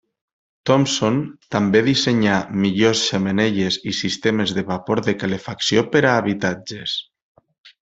Thompson també dissenyà millors xemeneies i sistemes de vapor de calefacció per a habitatges.